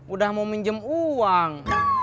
udah mau minjem uang